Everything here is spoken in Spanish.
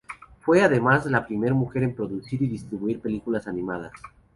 Fue además la primera mujer en producir y distribuir películas animadas.